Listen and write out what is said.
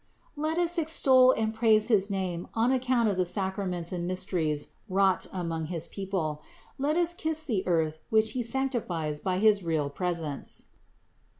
Let us extol and praise his name on account of the sacra ments and mysteries wrought among his people; let us kiss the earth which He sanctifies by his real presence."